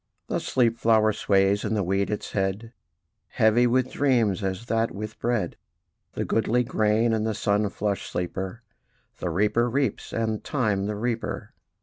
The sleep flower sways in the wheat its head, Heavy with dreams, as that with bread: The goodly grain and the sun flushed sleeper The reaper reaps, and Time the reaper.